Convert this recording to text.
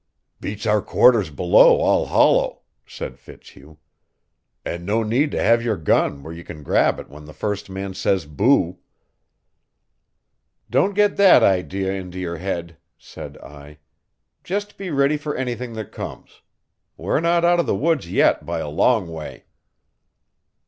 "Beats our quarters below all hollow," said Fitzhugh. "And no need to have your gun where you can grab it when the first man says boo!" "Don't get that idea into your head," said I. "Just be ready for anything that comes. We're not out of the woods yet, by a long way."